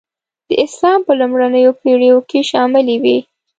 د اسلام په لومړنیو پېړیو کې شاملي وې.